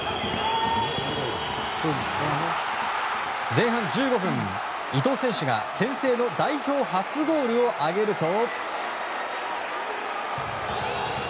前半１５分、伊藤選手が先制の代表初ゴールを挙げると。